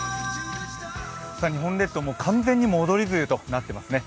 日本列島、完全に戻り梅雨となっていますね。